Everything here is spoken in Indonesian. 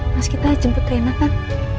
mas kita jemput enak kan